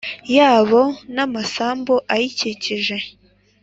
Yabo n amasambu ayikikije